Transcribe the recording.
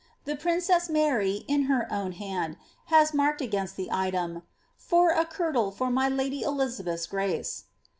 The princess Mary, in her own hand, has marked against the item, for a kirtle for my lady Elizabeth's grace."